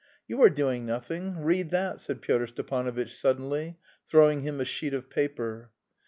"You are doing nothing; read that," said Pyotr Stepanovitch suddenly, throwing him a sheet of paper.